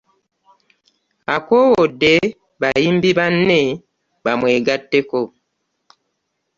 Akoowodde bayimbi banne bamwegatteko.